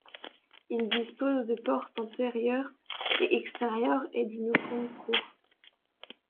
Il dispose de portes intérieures et extérieures et d'une grande cour.